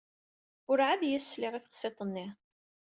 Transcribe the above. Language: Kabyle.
Urɛad i as-sliɣ i teqsiḍt-nni.